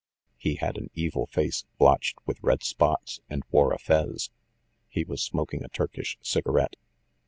He had an evil face, blotched with red spots, and wore a fez. He was smok ing a Turkish cigarette.